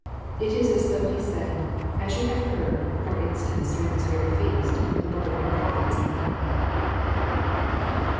It is as though He said, *< As you have heard, for instance, during this very feast, i^om the book of your prophet Zecha riah."